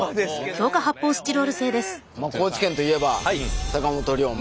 もう高知県といえば坂本龍馬。